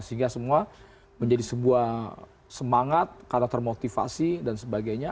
sehingga semua menjadi sebuah semangat karakter motivasi dan sebagainya